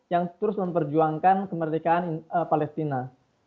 yang terus memperjuangkan kemerdekaan palestina